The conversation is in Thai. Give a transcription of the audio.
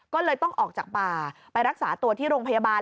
ก็เลยต้องออกจากป่าไปรักษาตัวที่โรงพยาบาล